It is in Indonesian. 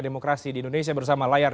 demokrasi di indonesia bersama layar